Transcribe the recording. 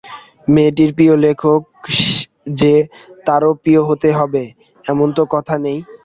মেয়েটির প্রিয় লেখক যে তারও প্রিয় হতে হবে এমন তো কথা নেই।